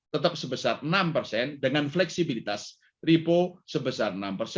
tetap sebesar enam dengan fleksibilitas ripo sebesar enam